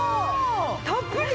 たっぷり！？